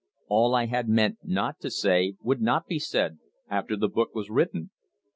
All I had meant not to say would not be said after the book was written.